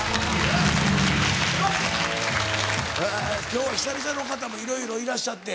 今日は久々の方もいろいろいらっしゃって。